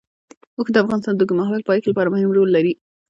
اوښ د افغانستان د اوږدمهاله پایښت لپاره مهم رول لري.